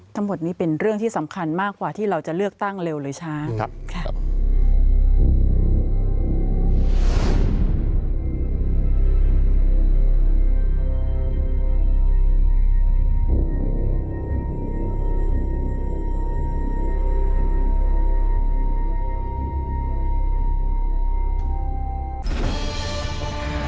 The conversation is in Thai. ทั้งหมดนี้เป็นเรื่องที่สำคัญมากกว่าที่เราจะเลือกตั้งเร็วหรือช้าครับ